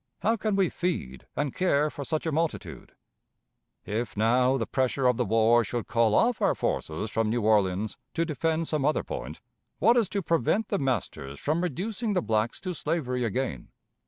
How can we feed and care for such a multitude? ... "If, now, the pressure of the war should call off our forces from New Orleans to defend some other point, what is to prevent the masters from reducing the blacks to slavery again?